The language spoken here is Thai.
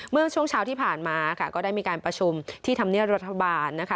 เมื่อช่วงเช้าที่ผ่านมาค่ะก็ได้มีการประชุมที่ธรรมเนียบรัฐบาลนะคะ